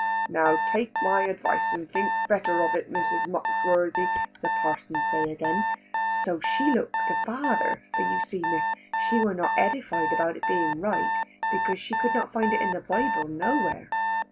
"Now take my advice and think better of it Mrs. Muxworthy," the parson say again. So she looks to father, for you see Miss she were not edified about it being right, because she could not find it in the Bible nowhere.